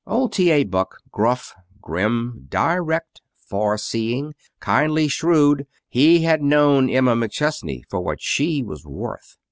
Old T. A. Buck, gruff, grim, direct, far seeing, kindly, shrewd he had known Emma McChesney for what she was worth.